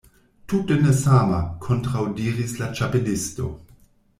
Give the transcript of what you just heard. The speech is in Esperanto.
"Tute ne sama," kontraŭdiris la Ĉapelisto.